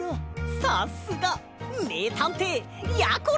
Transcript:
さすがめいたんていやころ！